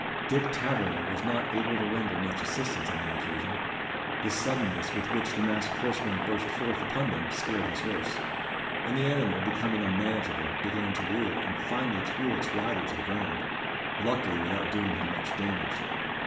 Dick Taverner was not able to render much assistance on the occasion. The suddenness with which the masked horseman burst forth upon them scared his horse; and the animal becoming unmanageable, began to rear, and finally threw its rider to the ground luckily without doing him much damage.